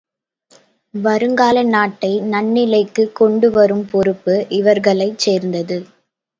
வருங்கால நாட்டை நன்னிலைக்குக் கொண்டு வரும் பொறுப்பு இவர்களைச் சார்ந்தது.